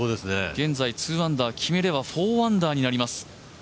現在２アンダー、決めれば４アンダーになります。